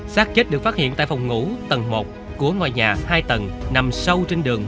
sát chết được phát hiện tại phòng ngủ tầng một của ngôi nhà hai tầng nằm sâu trên đường